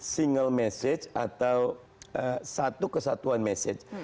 single message atau satu kesatuan message